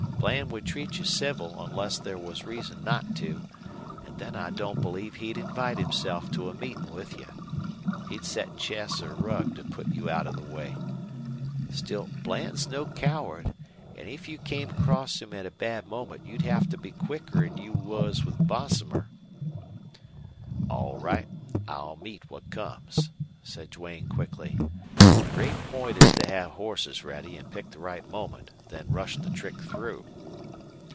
Bland would treat you civil onless there was reason not to, an' then I don't believe he'd invite himself to a meetin' with you. He'd set Chess or Rugg to put you out of the way. Still Bland's no coward, an' if you came across him at a bad moment you'd have to be quicker 'n you was with Bosomer." "All right. I'll meet what comes," said Duane, quickly. "The great point is to have horses ready and pick the right moment, then rush the trick through."